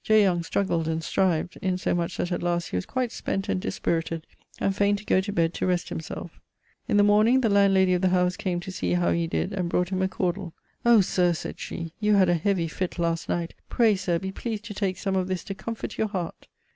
Young struggled and strived, insomuch that at last he was quite spent and dispirited, and faine to goe to bed to rest himselfe. In the morning the landlady of the house came to see how he did, and brought him a cawdle. 'Oh sir,' sayd she, 'you had a heavy fitt last night, pray, sir, be pleased to take some of this to comfort your heart.'